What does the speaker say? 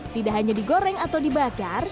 tidak hanya digoreng atau dibakar